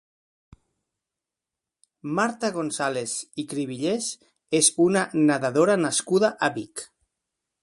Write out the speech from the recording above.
Marta González i Crivillers és una nedadora nascuda a Vic.